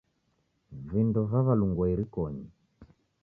Vindo vaw'alungua irikonyi.